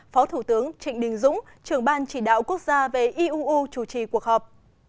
phó thủ tướng trịnh đình dũng trưởng ban chỉ đạo quốc gia về iuu chủ trì cuộc họp